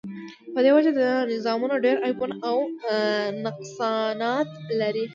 په دی وجه دا نظامونه ډیر عیبونه او نقصانات لری